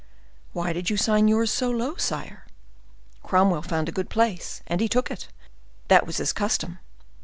"Why did you sign yours so lo down, sire? Cromwell found a good place, and he took it; that was his custom.